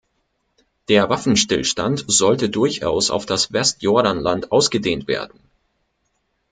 Der Waffenstillstand sollte durchaus auf das Westjordanland ausgedehnt werden.